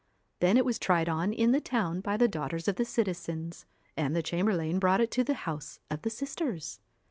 Then it was tried on in the town by the daughters of the citizens, and the chamberlain brought it to the house of the sisters.